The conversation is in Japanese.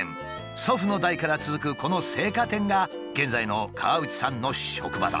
祖父の代から続くこの青果店が現在の河内さんの職場だ。